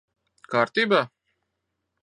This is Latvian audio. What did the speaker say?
Kārtībā?